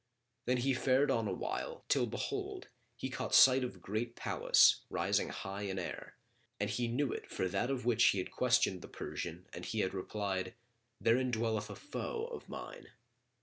Then he fared on awhile, till behold, he caught sight of a great palace, rising high in air, and knew it for that of which he had questioned the Persian and he had replied, "Therein dwelleth a foe, of mine."